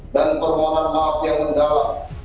dan permohonan maaf yang mendalam